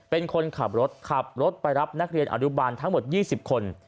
เป็นคนขับรถขับรถไปรับนักเรียนอนุบาลทั้งหมด๒๐คน